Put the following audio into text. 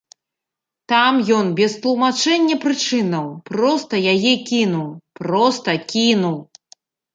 Там ён без тлумачэння прычынаў проста яе кінуў, проста кінуў!